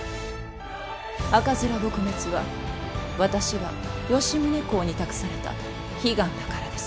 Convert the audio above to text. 赤面撲滅は私が吉宗公に託された悲願だからです。